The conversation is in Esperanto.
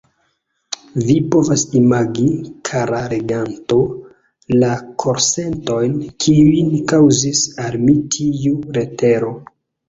Vi povas imagi, kara leganto, la korsentojn, kiujn kaŭzis al mi tiu letero.